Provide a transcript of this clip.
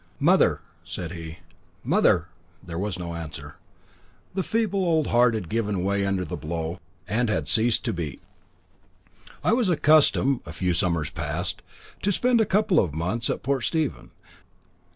"Mother!" said he. "Mother!" There was no answer. The feeble old heart had given way under the blow, and had ceased to beat. I was accustomed, a few summers past, to spend a couple of months at Portstephen.